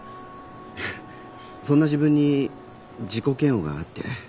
そんな自分に自己嫌悪があって。